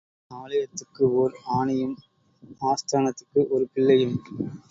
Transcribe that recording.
ஆலயத்துக்கு ஓர் ஆனையும் ஆஸ்தானத்துக்கு ஒரு பிள்ளையும்.